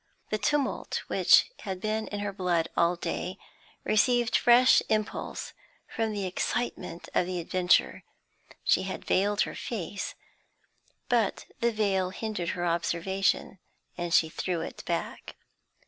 The tumult which had been in her blood all day received fresh impulse from the excitement of the adventure. She had veiled her face, but the veil hindered her observation, and she threw it back.